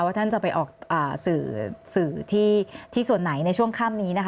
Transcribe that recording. ท่านจะไปออกสื่อที่ส่วนไหนในช่วงค่ำนี้นะคะ